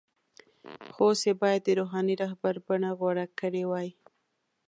خو اوس یې باید د “روحاني رهبر” بڼه غوره کړې وای.